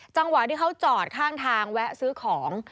จังหวะที่เขาจอดข้างทางแวะซื้อของ